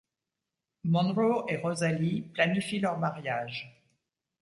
Monroe et Rosalee planifient leur mariage.